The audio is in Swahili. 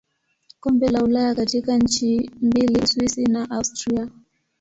Kombe la Ulaya katika nchi mbili Uswisi na Austria.